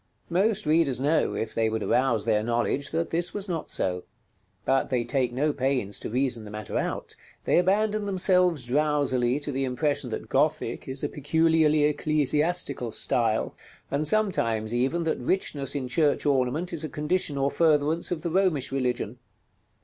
Most readers know, if they would arouse their knowledge, that this was not so; but they take no pains to reason the matter out: they abandon themselves drowsily to the impression that Gothic is a peculiarly ecclesiastical style; and sometimes, even, that richness in church ornament is a condition or furtherance of the Romish religion.